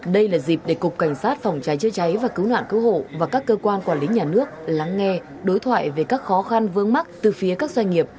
đây là dịp để cục cảnh sát phòng cháy chữa cháy và cứu nạn cứu hộ và các cơ quan quản lý nhà nước lắng nghe đối thoại về các khó khăn vướng mắt từ phía các doanh nghiệp